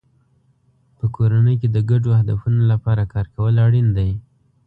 په کورنۍ کې د ګډو هدفونو لپاره کار کول اړین دی.